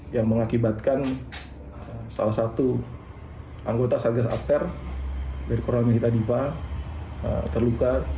yang mengakibatkan salah satu anggota satgas apteri dari koramil hitadipa terluka